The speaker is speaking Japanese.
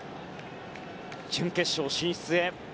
準決勝進出へ。